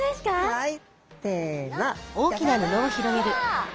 はい。